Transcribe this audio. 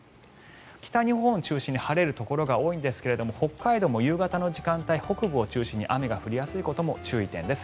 北日本を中心に晴れるところが多いんですが北海道も夕方の時間帯北部を中心に雨が降りやすいことも注意点です。